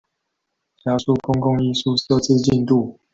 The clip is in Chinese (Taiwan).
加速公共藝術設置進度